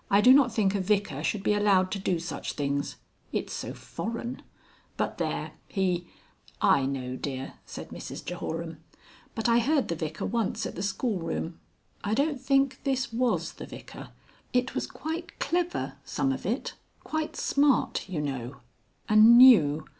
I do not think a Vicar should be allowed to do such things. It's so foreign. But there, he ...." "I know, dear," said Mrs Jehoram. "But I heard the Vicar once at the schoolroom. I don't think this was the Vicar. It was quite clever, some of it, quite smart, you know. And new.